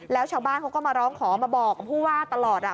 แล้วชาวบ้านเขาก็มาร้องขอมาบอกกับผู้ว่าตลอด